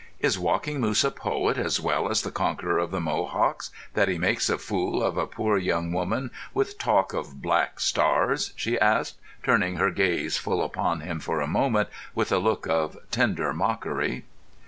"Is Walking Moose a poet as well as the conqueror of the Mohawks, that he makes a fool of a poor young woman with talk of black stars?" she asked, turning her gaze full upon him for a moment with a look of tender mockery.